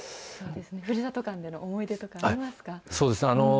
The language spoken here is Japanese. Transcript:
ふるさと館での思い出とかありますか。